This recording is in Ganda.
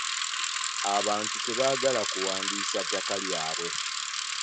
Abantu tebagaala kuwandiisa ttaka lyabwe.